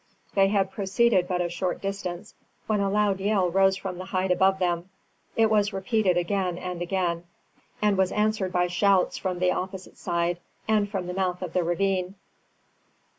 They had proceeded but a short distance when a loud yell rose from the height above them. It was repeated again and again, and was answered by shouts from the opposite side and from the mouth of the ravine.